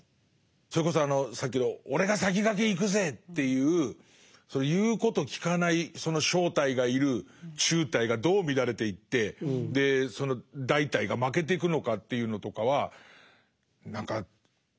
それこそあのさっきの俺が先駆け行くぜっていう言うこと聞かないその小隊がいる中隊がどう乱れていってその大隊が負けてくのかというのとかは何か身にしみて分かるんだろうな。